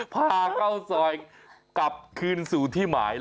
พาเข้าซอยกลับคืนสู่ที่หมาย